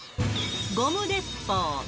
ゴム鉄砲。